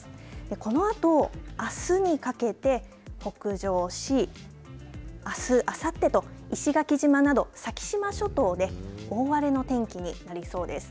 このあとあすにかけて北上しあすあさってと石垣島など先島諸島で大荒れの天気になりそうです。